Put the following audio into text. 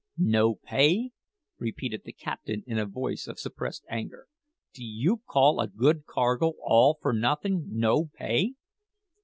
"No pay!" repeated the captain in a voice of suppressed anger. "Do you call a good cargo all for nothing no pay?"